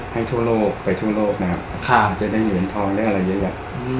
ทั่วโลกไปทั่วโลกนะครับจะได้เหรียญทองได้อะไรเยอะแยะ